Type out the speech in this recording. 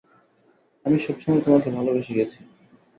আমি সবসময়েই তোমাকে ভালোবেসে গেছি।